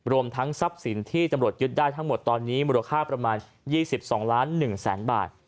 รวมทั้งทรัพย์สินที่ตำรวจยึดได้ทั้งหมดตอนนี้มูลค่าประมาณ๒๒ล้าน๑แสนบาท